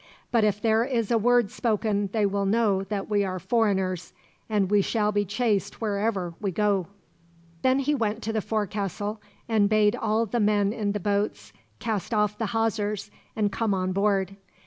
But if there is a word spoken they will know that we are foreigners, and we shall be chased wherever we go." Then he went to the forecastle, and bade all the men in the boats cast off the hawsers and come on board.